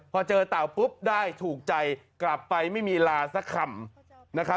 พอเจอเต่าปุ๊บได้ถูกใจกลับไปไม่มีล่าซักครำ